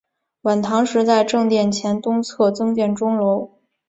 晚唐时在正殿前东侧增建钟楼。